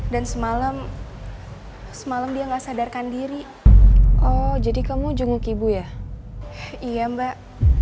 dan semalam semalam dia nggak sadarkan diri oh jadi kamu jenguk ibu ya iya mbak